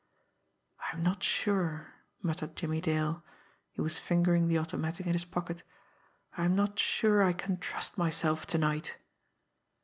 "I am not sure," muttered Jimmie Dale he was fingering the automatic in his pocket, "I am not sure that I can trust myself to night!"